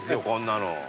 こんなの。